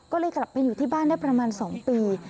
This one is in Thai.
ก็เลยกลับไปอยู่ที่บ้านได้ประมาณ๒ปี